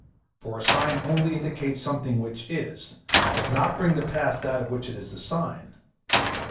For a sign only indicates something which is, does not bring to pass that of which it is the sign.